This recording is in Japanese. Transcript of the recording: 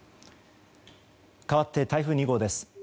かわって台風２号です。